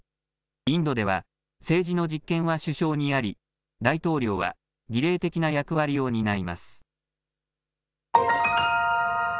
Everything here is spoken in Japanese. インドでは政治の実権は首相にあり大統領は儀礼的な役割を担います。